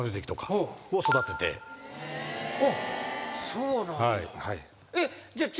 そうなんや。